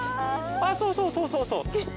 そうそうそうそうそう。